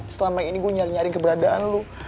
selama ini gue nyari nyari keberadaan lu